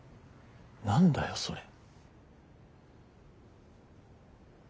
何だよそれ。